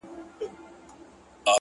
o زلفي او باڼه اشــــــنـــــــــــا ـ